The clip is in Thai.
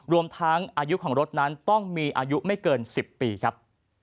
รวมทั้งอายุของรถนั้นต้องมีอายุไม่เกิน๑๐ปีครับ